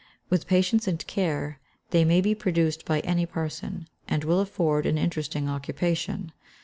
With patience and care, they may be produced by any person, and will afford an interesting occupation.